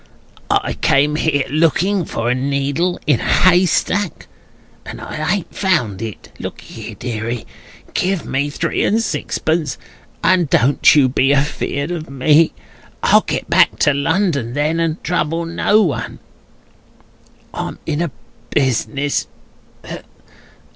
I came here, looking for a needle in a haystack, and I ain't found it. Look'ee, deary; give me three and sixpence, and don't you be afeard for me. I'll get back to London then, and trouble no one. I'm in a business.